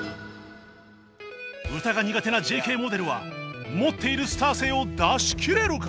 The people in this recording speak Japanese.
歌が苦手な ＪＫ モデルは持っているスター性を出し切れるか？